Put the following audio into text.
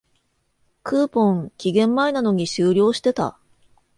クーポン、期限前なのに終了してた